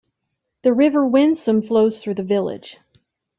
The River Wensum flows through the village.